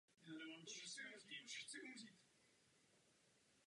Ludvík Kuba je označován jako umělec dvou století.